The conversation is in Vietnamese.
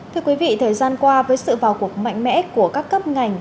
thưa quý vị thời gian qua với sự vào cuộc mạnh mẽ của các cấp ngành